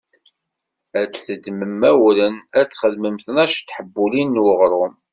Ad d-teddmem awren, ad d-txedmem tnac n teḥbulin n uɣrum.